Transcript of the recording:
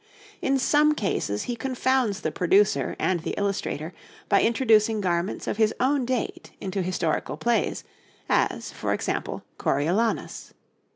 In some cases he confounds the producer and the illustrator by introducing garments of his own date into historical plays, as, for example, Coriolanus.